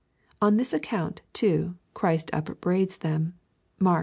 On this account, too, Christ upbraids them, (Mark viii.